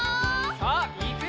さあいくよ！